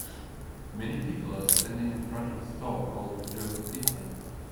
Many people are standing in front of a store called Joe 's Pizza.